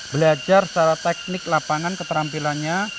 belajar secara teknik lapangan keterampilannya